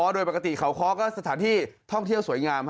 โดยปกติเขาค้อก็สถานที่ท่องเที่ยวสวยงาม